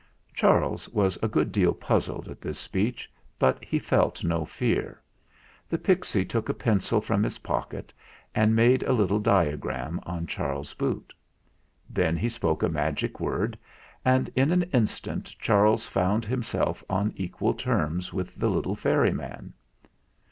Charles was a good deal puzzled at this speech, but he felt no fear. The pixy took a pencil from his pocket and made a little dia gram on Charles's boot. Then he spoke a magic word, and in an instant Charles found himself on equal terms with the little fairy man.